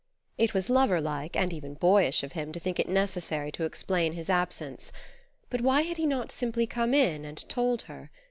It was lover like, and even boyish, of him to think it necessary to explain his absence; but why had he not simply come in and told her!